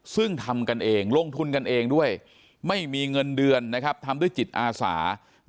ซึ่งทำกันเองลงทุนกันเองด้วยไม่มีเงินเดือนทำด้วยจิตอาสา